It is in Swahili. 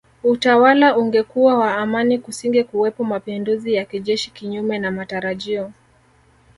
Utawala ungekuwa wa amani kusingekuwepo mapinduzi ya kijeshi Kinyume na matarajio